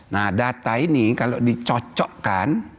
nah data ini kalau dicocokkan